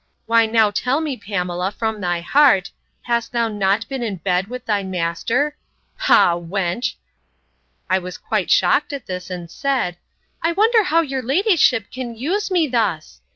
Why now tell me, Pamela, from thy heart, hast thou not been in bed with thy master? Ha, wench!—I was quite shocked at this, and said, I wonder how your ladyship can use me thus!